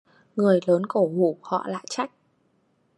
Người lớn cổ hủ họ lại trách